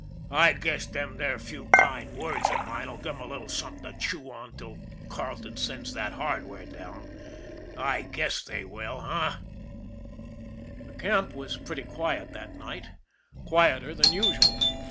I guess them there few kind words of mine'll give 'em a little something to chew on till Carle ton sends that hardware down, I guess they will, h'm?" The camp was pretty quiet that night quieter than usual.